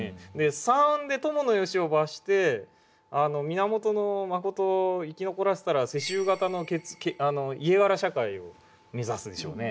３で伴善男を罰して源信を生き残らせたら世襲型の家柄社会を目指すでしょうね。